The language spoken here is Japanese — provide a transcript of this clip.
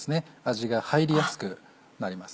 味が入りやすくなります。